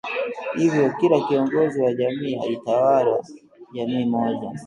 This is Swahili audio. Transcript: Hivyo kila kiongozi wa jamii alitawala jamii moja